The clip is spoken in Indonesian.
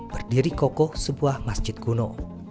berdiri kokoh sebuah masjid kuno